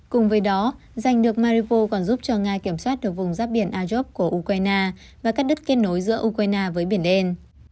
cùng với đó danh được maripos còn giúp cho nga kiểm soát được vùng giáp biển agyov của ukraine và các đất kết nối giữa ukraine với biển đen